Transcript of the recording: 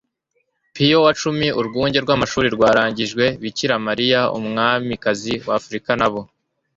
piyo wa cumi, urwunge rw'amashuri rwaragijwe bikira mariya umwamikazi wa afrika n'abo